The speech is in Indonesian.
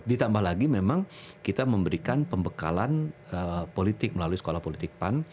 ditambah lagi memang kita memberikan pembekalan politik melalui sekolah politik pan